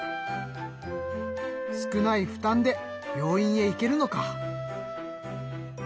少ない負担で病院へ行けるのか！